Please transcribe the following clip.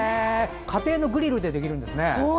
家庭のグリルでできるんですね。